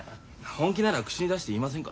本気なら口に出して言いませんから。